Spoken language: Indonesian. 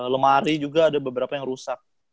lemari juga ada beberapa yang rusak